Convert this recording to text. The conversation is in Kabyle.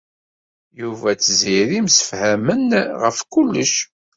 Yuba d Tiziri msefhamen ɣef kullec.